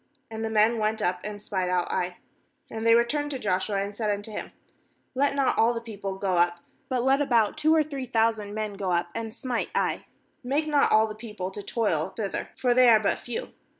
And the men went up and spied out Ai. 3And they re turned to Joshua, and said unto hinv 'Let not all the people go up; but let about two or three thousand men go up and smite Ai; make not all the people to toil thither; for they are but few.'